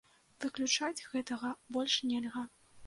Выключаць гэтага больш нельга.